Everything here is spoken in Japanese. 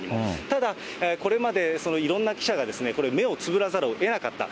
ただ、これまでいろんな記者がこれ、目をつぶらざるをえなかった。